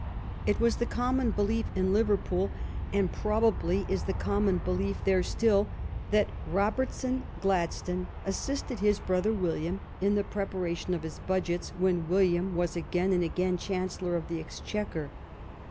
It was the common belief in Liverpool, and probably is the common belief there still, that Robertson Gladstone assisted his brother William in the preparation of his budgets when William was again and again Chancellor of the Ex chequer.